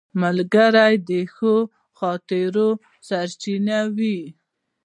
ملګری د ښو خاطرو سرچینه وي